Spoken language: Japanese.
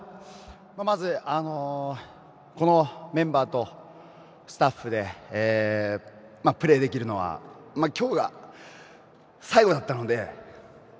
まず、このメンバーとスタッフでプレーできるのは今日が最後だったので。